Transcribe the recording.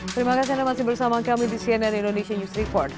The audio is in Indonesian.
terima kasih anda masih bersama kami di cnn indonesia news report